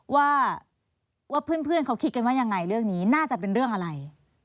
ว่าเพื่อนเขาคิดกันว่ายังไงเรื่องนี้น่าจะเป็นเรื่องอะไร